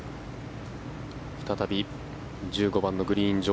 再び１５番のグリーン上。